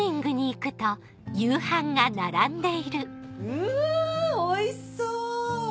うわおいしそう！